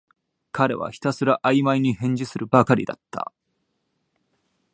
彼はひたすらあいまいに返事するばかりだった